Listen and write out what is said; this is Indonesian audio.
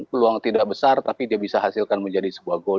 peluang tidak besar tapi dia bisa hasilkan menjadi sebuah gol